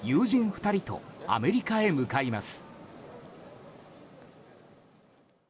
２人とアメリカへ向かいます。